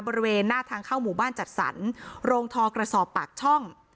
บริเวณหน้าทางเข้าหมู่บ้านจัดสรรโรงทอกระสอบปากช่อง